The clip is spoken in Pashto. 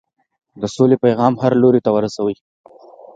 د سولې پیغام هر لوري ته ورسوئ.